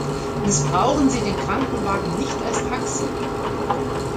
Missbrauchen Sie den Krankenwagen nicht als Taxi!